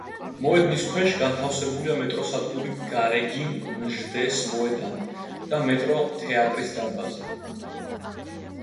მოედნის ქვეშ განთავსებულია მეტროსადგური გარეგინ ნჟდეს მოედანი და „მეტრო თეატრის“ დარბაზი.